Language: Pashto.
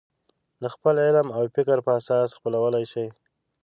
د خپل علم او فکر په اساس خپلولی شي.